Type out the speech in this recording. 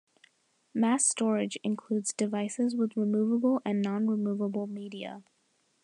Mass storage includes devices with removable and non-removable media.